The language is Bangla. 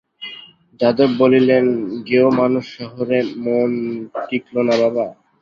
যাদব বলিলেন, গেঁয়ো মানুষ, শহরে মন টিকল না বাবা।